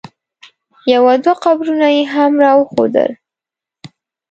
یو دوه قبرونه یې هم را وښودل.